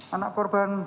anak korban sebelas